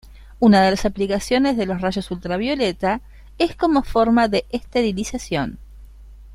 Una de las aplicaciones de los rayos ultravioleta es como forma de esterilización.